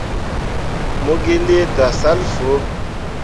Mo gi lii tǝsal soo.